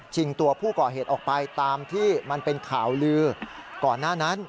ตัวผู้ก่อเหตุออกไปตามที่มันเป็นข่าวลือก่อนหน้านั้น